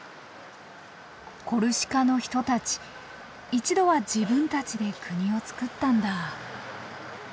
コルシカの人たち一度は自分たちで国をつくったんだ。